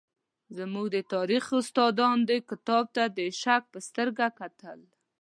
زموږ د تاریخ استادانو دې کتاب ته د شک په سترګه کتل.